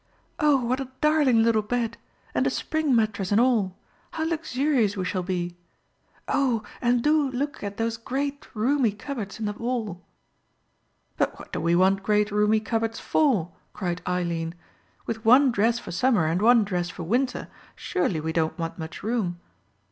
Oh, what a darling little bed—and a spring mattress and all. How luxurious we shall be. Oh, and do look at those great, roomy cupboards in the wall." "But what do we want great, roomy cupboards for?" cried Eileen. "With one dress for summer and one dress for winter, surely we don't want much room?"